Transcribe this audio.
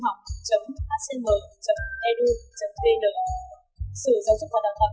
sở giáo dục và đào tạo tp hcm